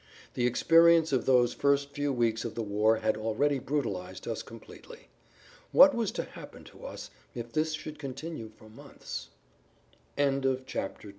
The experience of those first few weeks of the war had already brutalized us completely. What was to happen to us if this should continue for months—? [Pg 23] III SHOOTING CIVILIAN